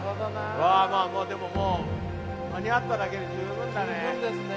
うわまぁでももう間に合っただけで十分だね。